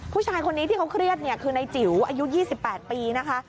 ผู้ชายคนนี้ที่เขาเครียดเนี่ยคือนายจิ๋วอายุ๒๘ปีนะคะ